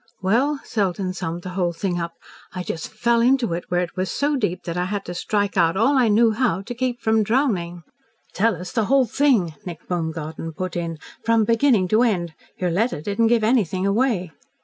"Well," Selden summed the whole thing up, "I just FELL into it where it was so deep that I had to strike out all I knew how to keep from drowning." "Tell us the whole thing," Nick Baumgarten put in; "from beginning to end. Your letter didn't give anything away."